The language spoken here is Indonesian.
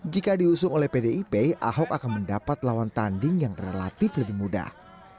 jika diusung oleh pdip ahok akan mendapat lawan tanding yang relatif lebih mudah